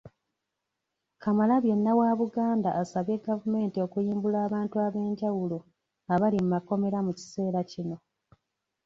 Kamalabyonna wa Buganda asabye gavumenti okuyimbula abantu ab'enjawulo abali mu makomera mu kiseera kino